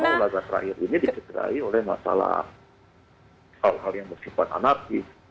saya tidak mau ulasan terakhir ini diterai oleh masalah hal hal yang bersifat anarkis